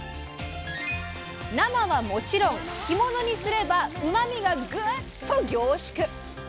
生はもちろん干物にすればうまみがグッと凝縮！